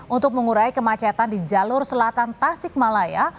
untuk mengurai kemacetan di jalur selatan tasik malaya